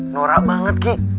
norak banget ki